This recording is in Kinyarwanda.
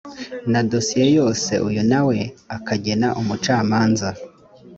na dosiye yose uyu nawe akagena umucamanza